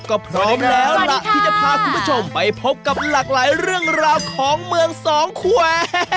ก็พร้อมแล้วล่ะที่จะพาคุณผู้ชมไปพบกับหลากหลายเรื่องราวของเมืองสองแควร์